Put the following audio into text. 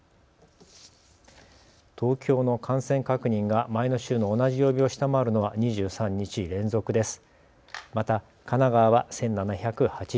東京の感染確認が前の週の同じ曜日を下回るのは２３日連続です。